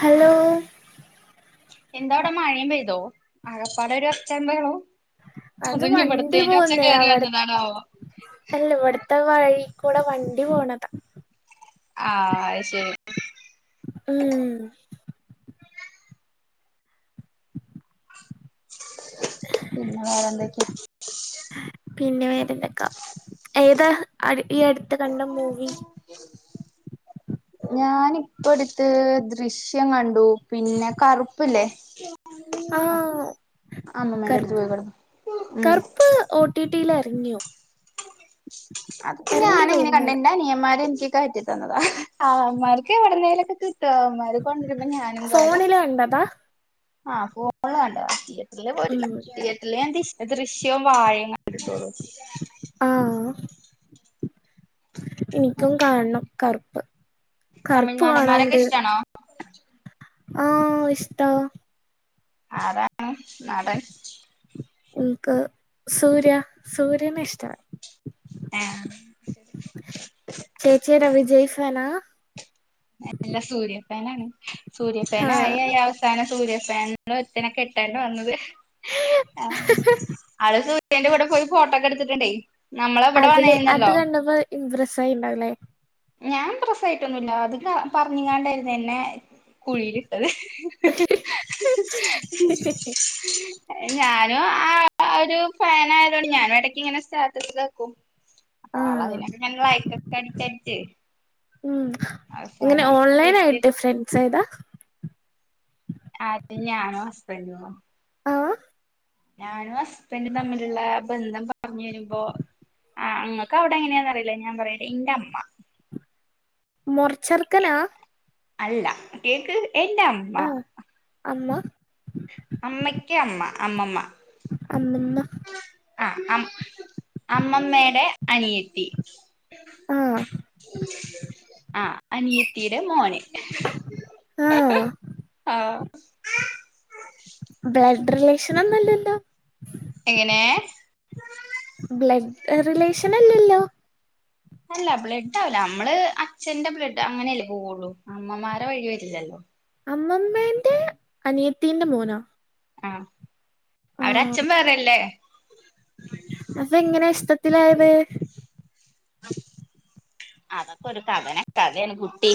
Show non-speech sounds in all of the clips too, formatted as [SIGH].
Hello എന്താ അവിടെ മഴീം പെയ്തോ? ആകപ്പാടൊരൂ ഒച്ചീം മ്പഹളും. അത് വണ്ടി പോവുന്നേ അവിടെ വന്നതാണാവോ അല്ലേ ഇവിടുത്തെ വഴി. കൂടെ വണ്ടി പോണതാ. ആ അത് ശരി. ഉം പിന്നെ വേറെ എന്തൊക്കെ? പിന്നെ വേന്തൊക്കാ ഏതാ ഈ അടുത്ത് കണ്ട മൂവി? [INAUDIBLE] ഞാനിപ്പ ടുത്ത് ദൃശ്യം കണ്ടു പിന്നെ കറുപ്പ്ല്ലേ? ആ അമ്മമ്മേന്റെ അടുത്ത് കറ്പ്പ് പോയി കിടന്നു ഉം കറ്പ്പ് ഓട്ടിട്ട് ട്ടിലെറിഞ്ഞു. അത്പ്പെ ഞാന എങ്ങനെ തോന്നുന്നത് കണ്ടിണ്ട നീന്മാര് റ്റി തന്നതാ ആ്മാർക്ക് എവടനേലൊക്കെ മക്കൊണ്ടിരുമ്പോ ഞാനും കാലും ഫോണില് കണ്ടതാ ആ ഫോ കണ്ട ഉം പോയറ്റില് ദൃശ്യവും വാഴയും കണ്ടിത്തോള്ളു ആ എനിക്കും കാണണം കറുപ്പ് തമിഴ് കറുപ്പ് നടന്മാരൊക്കെ കാണാണ്ട് ഇഷ്ടാണോ ആ ഇഷ്ടാ ആരാണ് നടൻ എനിക്ക് സൂര്യ സൂര്യന ഇഷ്ടമാണ് ഏഹ് ചേച്ചിയ രവിജയ്സാനാ നാണ് സൂര്യ ഫേന ആയി അ അവസാനം സൂര്യഫേന ഒരുത്തനെ കെട്ടേണ്ടി വന്നത് ആഹ് അള് സൂര്യന്റെ കൂടെ പോയി ഫോട്ടോക്കെ എടുത്തിട്ടുണ്ടായി അതില് അത് കണ്ടപ്പോ ഇംപ്രസ് ആയി ഉണ്ടാവല്ലേ ഞാൻ പ്രസായിട്ടൊന്നുമല്ല അത് പറഞ്ഞാണ്ടായിന്ന എന്നന്നെ കുഴിലിട്ടത് ഞാനും ആ ഒരു ഫാനയതോണ്ട് ഞാനും ഇടക്ക് ഇങ്ങനെ സ്റ്റാറ്റസ് തക്കും അപ്പൊ ആള അതിനൊക്കെ ലൈക് ക്കൊക്കെ അടിച്ച ഉ ഇങ്ങനെ അവസാനം ഓൺലൈൻ വീട്ടില് ആയിട്ടെ ഫ്രണ്ട്സ് ഏതാ അത ഞാന വസ് ആഹ് ഞാനും ഹസ്ബൻഡും തമ്മിലുള്ള ബന്ധം പറഞ്ഞു വരുമ്പോ ആ അങ്ങക്ക് അവിടെ എങ്ങനെയാന്ന അറിയില്ലേ ഞാൻ പറയല്ലേ എൻ്റെ അമ്മ മൊറച്ചർക്കനാ അല്ല കേക്ക് എന്റെ അമ്മ ആഹ് അമ്മ അമ്മക്കേ അമ്മ അമ്മമ്മ അമ്മമ്മ [UNINTELLIGIBLE] ആ അ അമ്മമ്മയുടെ അനിയെത്തി ആഹ് ആ അനിയത്തിയുടെ മോനെ ആഹ് ആ [UNINTELLIGIBLE] റിലേഷന ഒന്നുംല്ലല്ലോ എങ്ങനെ ബ്ലഡ് റിലേഷൻ അല്ലല്ലോ അല്ല ബ്ലഡ് ആവില്ല നമ്മള് അച്ഛന്റെ ബ്ലഡ് അങ്ങനെയല്ലേ പോവുള്ളു അമ്മമാരെ വഴി വരില്ലല്ലോ അമ്മമ്മേന്റെ അനിയത്തിന്റെ മോനാ ആ അവവിടെ അച്ഛൻ വേറെല്ലേ അപ്പ എങ്ങനെ ഇഷ്ടത്തിലായത് അതൊക്കെ ഒരു കഥന കഥാണ് കുട്ടി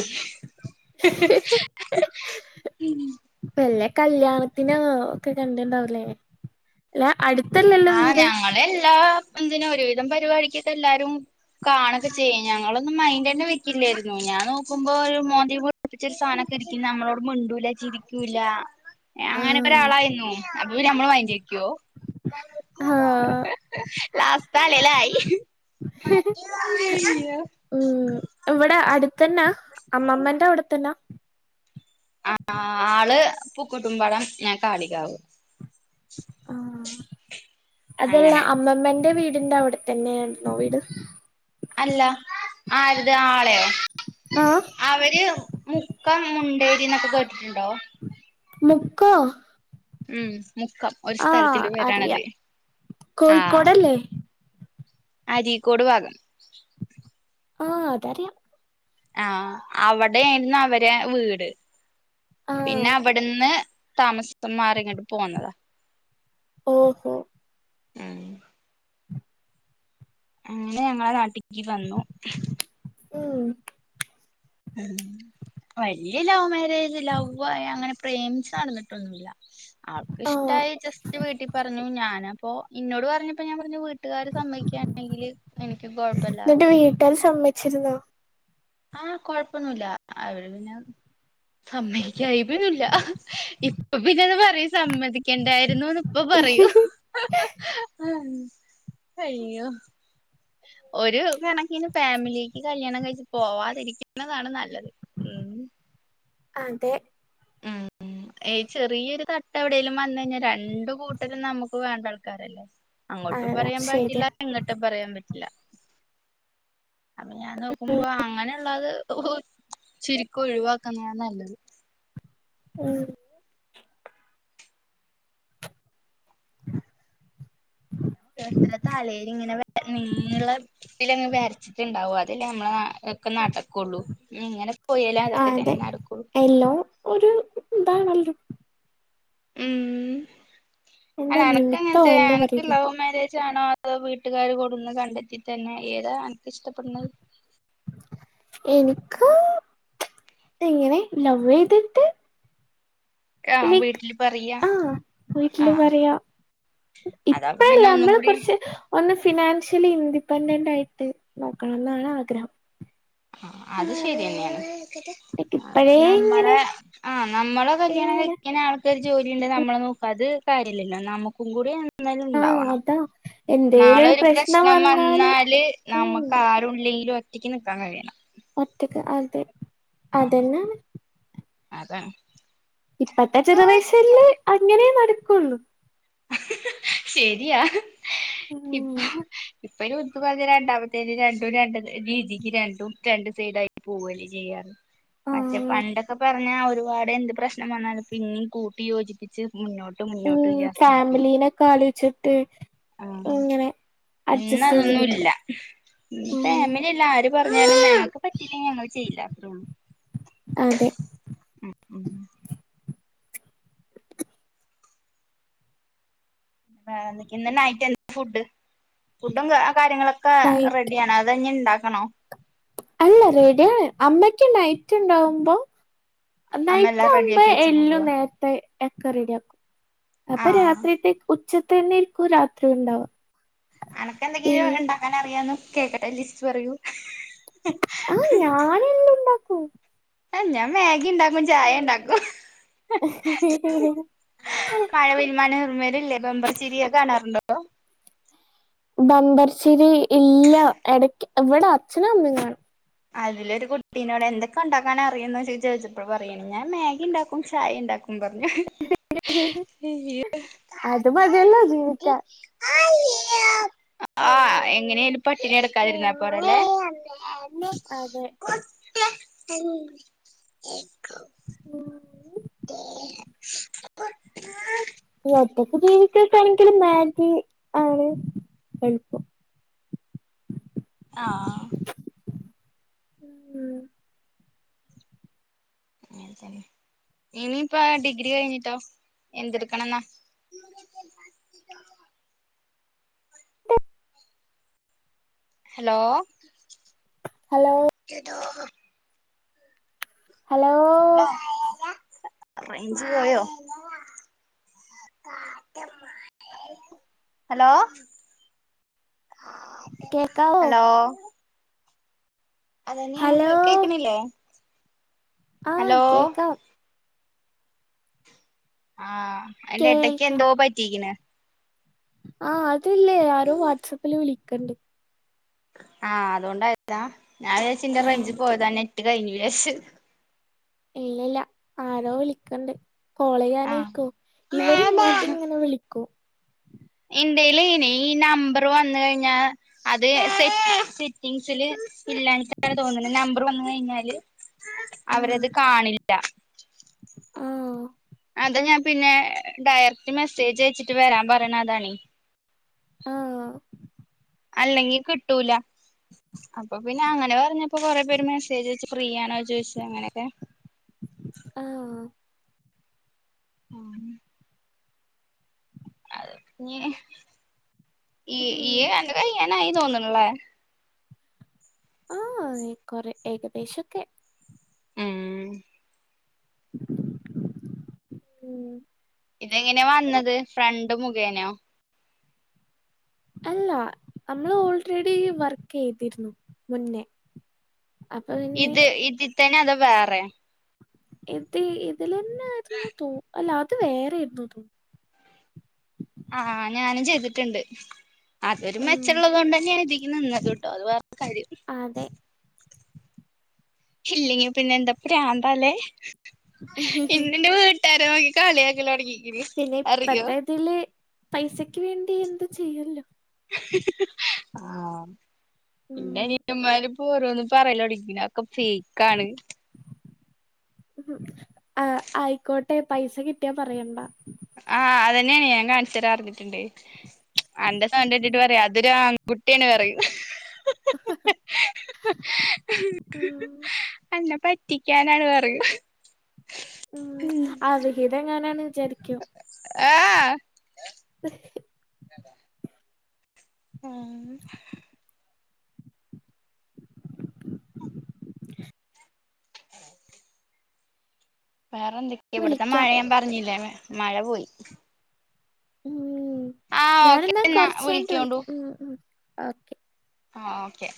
ഉം കല്യാണത്തിന് ഒക്കെ കണ്ടിണ്ടാവല്ലേ അല്ല അടു ആ ഞങ്ങള എല്ലാ എന്തിന ഒരുവിധം പരിപാടക്ക് ഒക്കെ എല്ലാരും കാണൊക്കെ ചെയ്യേ ഞങ്ങളൊന്നും മൈൻഡ് തന്നെ വിരിക്കില്ലായിരുന്നു ഞാൻ നോക്കുമ്പോ ഒരു മോതിച്ച ഒരു സാധനം രിക്ക നമ്മളോട് മിണ്ടൂല ചിരിക്കൂല അങ്ങനെക്ക ആഹ് ഒരാളായിന്നോ അപ്പൊ നമ്മൾ മൈൻഡ് ചെയ്യാക്കുവോ ആഹ് ലാസ്റ്റ് തലയിൽ ആയി യ ഉം ഇവിടെ അടുത്തന്നാ അമ്മമ്മന്റെ അവിടെത്തന്നാ ആ ആള് പൂക്കൂട്ടും പടം ഞാ കാളികാവു ആഹ് അതല്ല അമ്മമ്മന്റെ വീടിന്റെ അവിടെത്ത തന്നെയ ആായിുന്നോ വീട് അല്ല ആരുത് ആളെയോ ആഹ് അവര് മുക്കം മുണ്ടേരി എന്നൊക്കെ കേട്ടിട്ടുണ്ടോ മുക്ക ഉം മുക്കം ഒരു സ്ഥലത്തി പേരാണത് അറിയാം ആഹ. കോഴിക്കോടല്ലേ അരീക്കോട് ഭാഗം. ആഹ അതറിയ. ആഹ അവിടെര്ന്ന് അവരെ വീട്. ആഹ് പിന്നെ അവിടുന്ന് താമസം മാറി ഇങ്ങട്ട് പോന്നതാ. ഓഹോ. ഉം. അങ്ങനെ ഞങ്ങളെ നാട്ടിക്ക് വന്നു. ഉം. [UNINTELLIGIBLE] വല്യ ലൗവ് മാരേജ് ലവായി അങ്ങനെ പ്രേമിച്ചച്ച് നടന്നിട്ടൊന്നുല്ല. അവൾക്ക് ആഹ് ഇഷ്ടമായി ജസ്റ്റ് വീട്ടിൽ പറഞ്ഞു ഞാനപ്പോ ഇന്നോട് പറഞ്ഞപ്പോ ഞാൻ പറഞ്ഞുവീട്ട ട്ടുകാര്ർ സമ്മതികാണെങ്കില് എനിക്ക് കൊഴപ്പല്ലാ ചിര് ന്നോ? ആഹ കൊഴപ്പൊന്നുല്ല അവര് പിന്നെ. അമ്മേ ഇൻക് ഐ ബോ ന്നില്ല ഇപ്പൊ പിന്നത് പറയ സമ്മ ണ്ടായിരുന്നുന്ന് ഇപ്പ പറയൂ അയ്യോ. ഒരു കണക്കിന് ഫാമിലിക്ക് കല്യാണം കഴിച്ച്ു പോവാതിരിക്കുന്നതാണ് നല്ലത് ഉം. അതെ. ഉം. ഏ ചെറിയൊരു തട്ട് എവിടെേലും വന്ന കഴിഞ്ഞാൽ രണ്ടു കൂട്ടരും നമ്മുക്ക് വേണ്ട ആൾക്കാരല്ലേ? അങ്ങോട്ടും ആഹ് പറയാൻ പറ്റില്ല ശരിയാ ഇങ്ങോട്ടും പറയാൻ പറ്റില്ല. അപ്പൊ ഞാൻ നോക്കുമ്പോ അങ്ങനെ. ള്ളാെ ചുരുകൊ ഒഴു വാക്കുന്നതാ നല്ലത്. ഉം. കേ തലേല് ഇങ്ങനെ വ നീളത്തി വരച്ചിട്ടുണ്ടാവും അതലെ നമ്മള ഒക്കെ നടക്കും. കൊള്ളു ങ്ങനെ. ആ അതെ എല്ലാം ഒരു ഇതാണല്ലോ. ഉം അ എന്താ നക്ക് നിമിത്തോ എങ്ങനത്തെ എന്താ എനക്ക് പറയില്ലേ ലവ് മരേജ ജാണോ അതോ വീട്ടുകാര് കൂടെന്ന് കണ്ടെത്തി തന്നെ ഏതാ അൻ ഇഷ്ട്ട പ്പെട്ണഹ്. ക് എങ്ങനെ ലവ് യ്തിട്ട് ആ ലൈക്ക് വീട്ടില് പറയാ ആഹ് ആ വീട്ടില് പറയാ അതാപ്പൊ ഇപ്പല്ല പിന്നെ ഒന്നും നമ്മള കൂടി കുറച്ച് ഒന്ന് ഫിനാൻഷ്യലി ഇൻഡിപെൻഡന്റ് ആയിട്ട് നോക്കണം എന്നാണ് ആഗ്രഹം. ആ അത് ശരിന്നെണ്. ലൈക്ക് ഇപ്പഴേ അപ്പ ഇങ്ങനെ നമ്മളെ ആ നമ്മളെ കല്യാണം കഴി ഇങ്ങനെ ക്ണ ആൾക് ഒര് ജോലിണ്ട് നമ്മളെ നോക് അത് കാര്യല്ല നമ്മുക്കും കൂടി എന്നേലും ആഹ് ഉണ്ടാവണം. അതാ നാളെ ഒരു പ്രശ്നം വന്നാല് ഉം നമുക്ക് ആരുല്ലെങ്കിലും ഒറ്റയ്ക്ക് ന്നിക്കാ കഴിയണം. ഒറ്റക്ക് അത് ആ അതന്നെ. അതാണ്. ഇപ്പത്തെ ജനറേഷനില് അങ്ങനെ നടക്കുള്ളു. ശെരിയാ ഇപ്പൊ. ഉം ഇപ്പൊ അയ്ന് [UNINTELLIGIBLE] പറഞ് രണ്ടാമത്തേന് രണ്ടും രണ്ട് രീതിക്ക് രണ്ടും രണ്ട് സൈഡായിട്ട് പോവല്ലേ ചെയ്യാ. മറ്റേ ആഹ് പണ്ടൊക്കെ പറഞ്ഞാ ഒരുപാട് എന്ത് പ്രശ്നം വന്നാലും പിന്നിം കൂട്ടി യോജിപ്പിച്ച് മുന്നോട്ട് മുന്നോട്ട്. [UNINTELLIGIBLE] ഫമിലീനോക്കെ കാലോച്ചിട്ട്. ആ ചെയ്ത് ഇന്നതൊന്നുല്ല നിക്കും ഉം ഫാമിലില്ല ആരും. പറഞ്ഞാലും ഞങ്ങക്ക് പറ്റില്ലെങ്കിൽ ഞങ്ങള് ചെയ്ല്ല. അതെ മ് മ് വേറെന്തൊക്കെ ഇന്ന് നൈറ്റ്‌ എന്ത ഫുഡ് ഫുഡും കാര്യങ്ങളൊക്കെ ലൈ റെഡിയാണോ അതോ ഞിണ്ടാക്കണോ? അല്ല റെഡിയാണ് അമ്മക്ക് നൈറ്റ് ഇണ്ടാവുമ്പോ അമ്മ എല്ലാം നൈറ്റാവുമ്പോ റെഡിയാക്കി വെച്ച് പോവോ എല്ലും നേരത്തെ എക്കെ റെഡിയാക്കും. അപ്പൊ ആഹ് രാത്രിത്തേക്ക് ഉച്ചെതന്നെയിരിക്കും ഇരിക്കും രാത്രി ണ്ടാവാ അൻക്ക് എന്തെങ്കിലും ണ്ടാക്കാൻ അറിയോന്ന് കേക്കട്ടെ ലിസ്റ്റ് പറയൂ ആഹ് ഞാൻ എല്ലാം ണ്ടാക്കും. അ ഞാൻ മേഗി ണ്ടാക്കും ചായ ണ്ടാക്കും. ഹ് ഹ് വ്വരില്ലെ ബെമ്പർച്ചിരി അത് കാണാറുണ്ടോ? ബമ്പർച്ചിരി ഇല്ല എടെക്ക് ഇവിടെ അച്ഛനും അമ്മീം കാണും അതിലൊരു കുട്ടീനോട് എന്തൊക്കെ ണ്ടാക്കാൻ അറിയുംന്ന് ചോയ്ച്ചപ്പോ പറയാണ് ഞാൻ മേഗി ണ്ടാക്കും ചായ ണ്ടാക്കും. ഉം പറഞ്ഞാ അത് മതിയല്ലോ ജീവിക്കാൻ. ആ എങ്ങനെലും പട്ട്ണി കെട്ക്കാതിരുന്നാ പോരേലെ അതെ ഉം. [INAUDIBLE] [INAUDIBLE] [UNINTELLIGIBLE] ഇക്ക്യോക്കെണെങ്കിൽ മാഗി ആണ് എളുപ്പം. ആ ഉം [UNINTELLIGIBLE] ഇനിയിപ്പോ ഡിഗ്രി കഴിഞ്ഞിട്ടോ എന്തെടുക്കണംന്നാ? [INAUDIBLE] ഹലോ ഹലോ [INAUDIBLE] ഹലോ റേയ്ഞ്ച് പോയോ? ഹലോ കേക്കാവോ ഹലോ അതന്നെയേണ് ഹലോ കേക്ക് കേക്ക്ണില്ലേ? ആ കേക്കാം ആ അയ്ന്റെ എടക്ക് കേൾക്കാം എന്തോ പറ്റികിണ് ആ അതല്ലേ ആരോ വാട്സാപ്പില് വിളിക്ക്ണ്ട്. ആ അതോണ്ടായതാ ഞാൻ വിചാരിച്ചു ആ റേയ്ഞ്ച് പോയതാ നെറ്റ് കഴിഞ്ഞു ജാരിച്ച് ഇല്ലല്ല ആരോ വിളിക്ണ്ട് ആഹ് കോളെയ്യാനേരിക്കും ഇവരിങ്ങോട്ട് ങ്ങനെ വിളിക്കും. ഇന്റെയ്ല് ഈ നമ്പർ വന്ന് കഴിഞ്ഞാ അത് സെ സെറ്റിങ്സില് ഇല്ലാഞ്ഞിട്ടാണ് തോന്ന്ണ് നമ്പർ വന്ന് കയ്ഞ്ഞാല് ആ അവരത് കാണില്ല. ആ അത ഞാൻ പിന്നെ ഡയറക്റ്റ് മെസ്സേജ് അയച്ചിട്ട് വെരാൻ പറയണെ അതാണ്. ആ അല്ലെങ്കി കിട്ടൂല. അപ്പൊ പിന്നെ അങ്ങനെ പറഞ്ഞപ്പോ കൊറെ പേര് മെസ്സേജയച്ചു ഫ്രീ ആണോ യ് ചോയ്ച്ച് അങ്ങനെക്കെ. ആ ആ ഞ് ഈ ഇയ്യ് ഉം. അന്റെ കയ്യാ ന്നായി ത്തൊന്ന്ണ്ല്ലേ ആഹ് കൊറെ ഏകദേശൊക്കെ ഉം ഉം ഇതെങ്ങനെയാ വന്നത് ഫ്രണ്ട് മുഖേനോ അല്ല നമ്മള് ഓൾറെഡി വർക്ക് ചെയ്തിരുന്നു മുന്നേ അപ്പൊ പിന്നെ ഇത് ഇതിത്തന്നെ അതാ വേറെ ഇത് ഇതിലന്നൊയിരുന്നു തോ അല്ല അത് വേറെ എര്ന്നു തോന്നു ആഹ് ഞാനും ചെയ്തിട്ടുണ്ട് അതൊരു ഉം. മെച്ചുള്ളത്ണ്ടെന്നെയാണ് ഇത് നിന്നത് കട്ടോ അത് പറ കാര്യം അതെ ഇല്ലെങ്കി പിന്നെ എന്താ പ്രാന്താലേ ഇന്നന്റെ വീട്ടാര് കള്യാക്കലൊട്ങ്ങി പിന്നെ ഇപ്പത്തെ ഇതില് പൈസക്ക് വേണ്ടി എന്തും ചെയ്യല്ലോ ആഹ് ന്റ ഉം നിയ്യമ്മാര് ഓരോന്ന് പറയലോടങ്ങി ഒക്കെ ഫേക്കാണ് ഉം ആ ആയിക്കോട്ടെ പൈസ കിട്ടിയാ പറയണ്ടാ ആഹ് അതന്നെണ് ഞാൻ കാണിച്ചരാ ർഞ്ഞിട്ട്ണ്ടേ അന്റെ ഉം സൗണ്ട് കട്ടിട്ട് ഉം പറയാ അതൊരു ആൺകുട്ടിയാണ് റയും ആ റ്റിക്കാനാണ് പറയും ഉം അവിഹിതം എങ്ങാനാണ് വിചാരിക്കോ ഏഹ് ആഹ് അ വേറെ എന്തൊക്കെയ ഇവിടത്തെ മഴ വിളിക്കാം ഞാൻ പറഞ്ഞില്ലേ മഴ പോയി ഉം ആഹ് ഓക്കെ ഞാനെന്നാ എന്നാ കൊറച്ചായിഞ്ഞിട്ട് വിളിക്കോണ്ടു വിളിക്കാം ഉം ഓക്കെ ആഹ് ഓക്കെ